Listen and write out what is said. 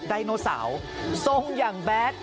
ไดโนเสาร์ทรงอย่างแบด